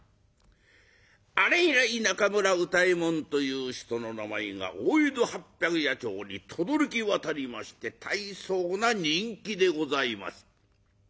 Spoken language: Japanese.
あれ以来中村歌右衛門という人の名前が大江戸八百八町にとどろき渡りまして大層な人気でございます。